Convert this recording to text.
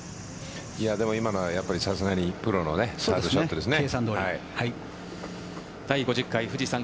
今のはさすがにプロのサードショットですね。